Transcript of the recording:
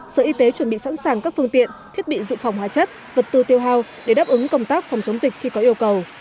sở y tế chuẩn bị sẵn sàng các phương tiện thiết bị dự phòng hóa chất vật tư tiêu hao để đáp ứng công tác phòng chống dịch khi có yêu cầu